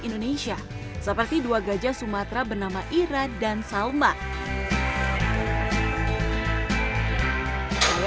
indonesia seperti dua gajah sumatera bernama ira dan salma saya